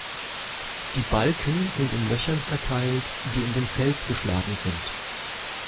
Die Balken sind in Löchern verkeilt, die in den Fels geschlagen sind.